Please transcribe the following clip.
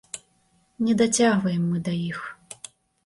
Не дацягваем мы да іх.